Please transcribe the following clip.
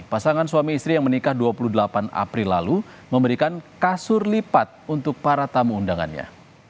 pasangan suami istri yang menikah dua puluh delapan april lalu memberikan kasur lipat untuk para tamu undangannya